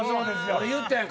俺言ったやん！